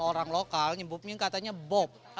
orang lokal nyebutnya katanya bop